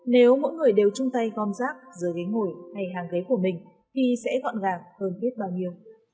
nếu mỗi người đều chung tay gom rác dưới ghế ngồi hay hàng ghế của mình thì sẽ gọn gàng hơn biết bao nhiêu